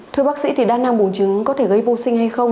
thưa bác sĩ thì đa năng bùn trứng có thể gây vô sinh hay không